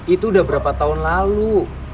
itu udah berapa tahun lalu